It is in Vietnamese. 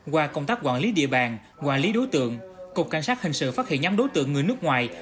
qua công tác quản lý địa bàn quản lý đối tượng cục cảnh sát hình sự phát hiện nhắm đối tượng người nước ngoài